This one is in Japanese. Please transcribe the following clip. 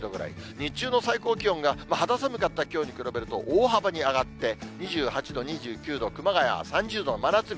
日中の最高気温が、肌寒かったきょうに比べると大幅に上がって、２８度、２９度、熊谷３０度の真夏日。